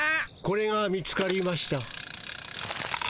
これが見つかりました。